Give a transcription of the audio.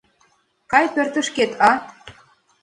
Кай пӧртышкет, а?!